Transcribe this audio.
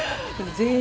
全員？